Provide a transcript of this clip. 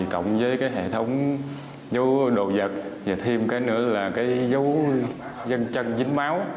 cộng với hệ thống giấu đồ vật và thêm cái nữa là giấu dân chân dính máu